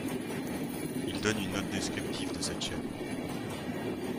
Il donne une note descriptive de cette chaîne.